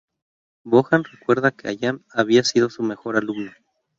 Bonham recuerda que Hallam había sido su mejor alumno.